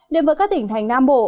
đềm vợ các tỉnh thành nam bộ